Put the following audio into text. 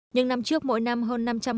nhưng năm trước mỗi năm hơn năm trăm linh hộ